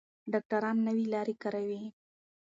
ډاکټران نوې لارې کاروي.